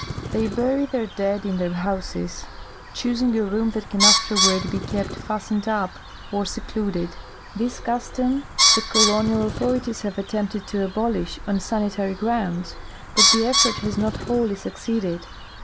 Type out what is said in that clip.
They bury their dead in their houses^ choosing a room that can afterward be kept fastened up or se cluded. This custom the colonial authorities have attempted ta abolish on sanitary grounds, but the effort has not wholly suc ceeded.